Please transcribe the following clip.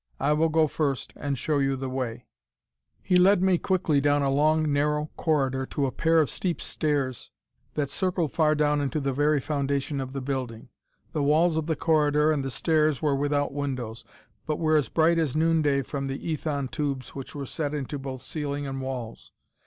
"I will go first, and show you the way." He led me quickly down a long, narrow corridor to a pair of steep stairs that circled far down into the very foundation of the building. The walls of the corridor and the stairs were without windows, but were as bright as noonday from the ethon tubes which were set into both ceiling and walls.